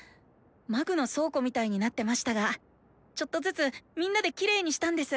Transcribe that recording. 魔具の倉庫みたいになってましたがちょっとずつみんなでキレイにしたんです。